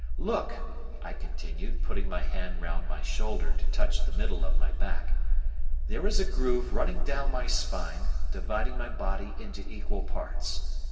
Look," I continued, putting my hand round my shoulder to touch the middle of my back, "there is a groove running down my spine dividing my body into equal parts.